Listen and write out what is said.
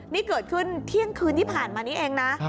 นี่เกิดขึ้นเที่ยงคืนที่ผ่านมานี้เองนะ